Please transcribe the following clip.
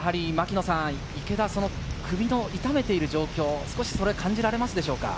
池田、首を痛めている状況、それが感じられますでしょうか？